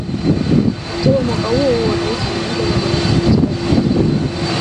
Oktoba mwaka huo huo rais alijipa madaraka ya kuteua mahakama maalumu